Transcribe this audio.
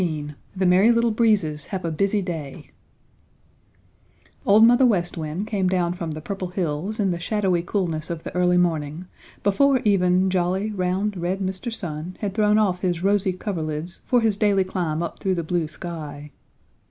XIII THE MERRY LITTLE BREEZES HAVE A BUSY DAY Old Mother West Wind came down from the Purple Hills in the shadowy coolness of the early morning, before even jolly, round, red Mr. Sun had thrown off his rosy coverlids for his daily climb up through the blue sky.